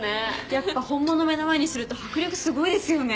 やっぱ本物目の前にすると迫力すごいですよね。